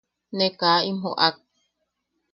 Ne kaa im joʼak.